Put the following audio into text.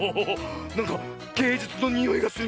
なんかげいじゅつのにおいがするよ！